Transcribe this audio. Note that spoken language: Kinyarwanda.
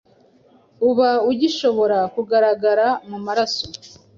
uba ugishobora kugaragara mu maraso